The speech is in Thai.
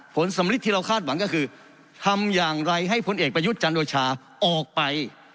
ผลสำลิดที่เราคาดหวังก็คือทำอย่างไรให้พลเอกประยุทธ์จันโอชาออกไป